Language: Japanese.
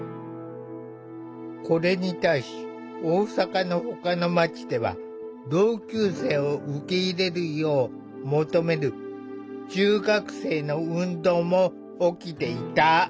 これに対し大阪のほかの町では同級生を受け入れるよう求める中学生の運動も起きていた。